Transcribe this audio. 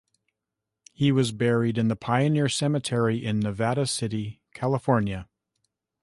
He was buried in the Pioneer Cemetery in Nevada City, California.